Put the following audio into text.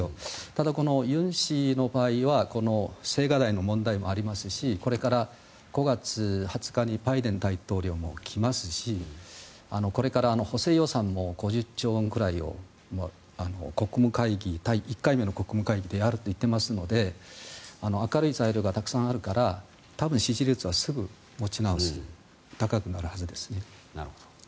ただ、この尹氏の場合は青瓦台の問題もありますしこれから５月２０日にバイデン大統領も来ますしこれから補正予算も５０兆ウォンぐらいを１回目の国務会議でやるといっていますので明るい材料がたくさんあるから多分支持率はすぐに持ち直す高くなるはずですね。